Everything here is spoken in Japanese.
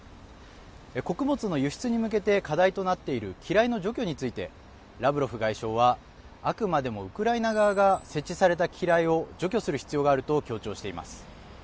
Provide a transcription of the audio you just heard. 穀物の輸出に向けて課題となっている機雷の除去についてラブロフ外相はあくまでもウクライナ側が設置された機雷を除去する必要があると強調しています。